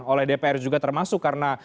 oleh dpr juga termasuk karena